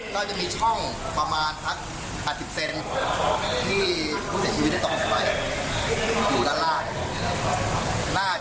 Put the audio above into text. ก็จะมีช่องประมาณ๘๐เซนต์ที่ผู้เศรษฐีได้ตกไว้อยู่ด้านล่าง